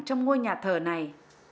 trong ngôi nhà thờ này